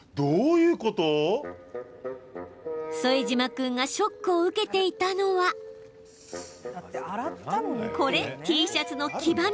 副島君がショックを受けていたのは、これＴシャツの黄ばみ。